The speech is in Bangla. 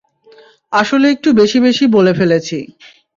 আসলে একটু বেশি বেশি বলে ফেলছি।